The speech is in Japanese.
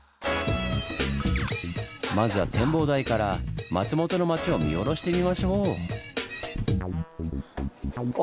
まずは展望台から松本の町を見下ろしてみましょう！